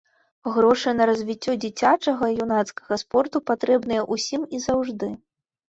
Грошы на развіццё дзіцячага і юнацкага спорту патрэбныя ўсім і заўжды.